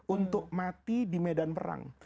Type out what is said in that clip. untuk mati di medan perang